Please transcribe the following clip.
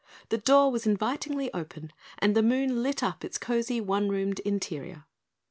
The door was invitingly open and the moon lit up its cozy one roomed interior.